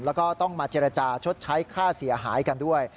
แล้วก็ต้องมาเจรจาชดใช้ค่าเสียหายกันด้วย